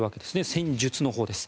戦術のほうです。